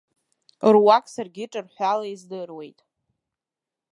Руак саргьы ҿырҳәала издыруеит.